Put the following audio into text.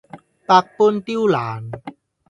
百般刁難